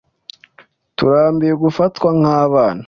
Turambiwe gufatwa nkabana.